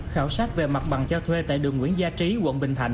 khảo sát về mặt bằng cho thuê tại đường nguyễn gia trí quận bình thạnh